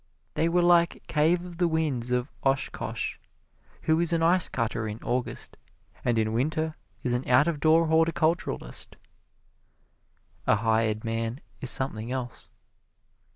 They were like Cave of the Winds of Oshkosh, who is an ice cutter in August, and in winter is an out of door horticulturist a hired man is something else.